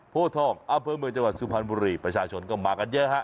โพทองอำเภอเมืองจังหวัดสุพรรณบุรีประชาชนก็มากันเยอะฮะ